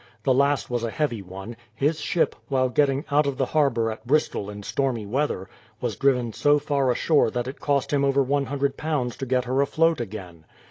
The last was a heavy one; his ship, while getting out of the harbour at Bristol in stormy weather, was driven so far ashore that it cost him over £ioo to get her afloat again.